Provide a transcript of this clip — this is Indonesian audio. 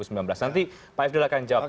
nanti pak ifdal akan jawab